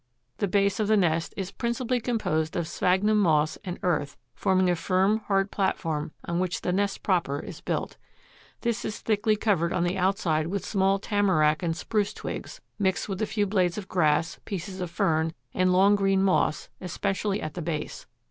The base of the nest "is principally composed of sphagnum moss and earth, forming a firm, hard platform on which the nest proper is built. This is thickly covered on the outside with small tamarack and spruce twigs, mixed with a few blades of grass, pieces of fern and long green moss, especially at the base.